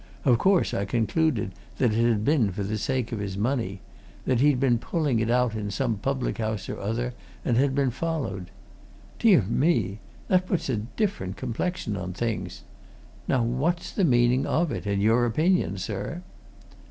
Of course, I concluded that it had been for the sake of his money that he'd been pulling it out in some public house or other, and had been followed. Dear me! that puts a different complexion on things. Now, what's the meaning of it, in your opinion, sir?"